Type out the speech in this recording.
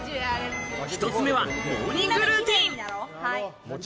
１つ目はモーニングルーティン。